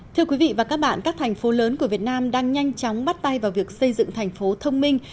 thưa quý vị và các bạn các thành phố lớn của việt nam đang nhanh chóng bắt tay vào việc xây dựng thành phố thông minh